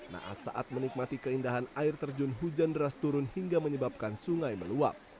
naas saat menikmati keindahan air terjun hujan deras turun hingga menyebabkan sungai meluap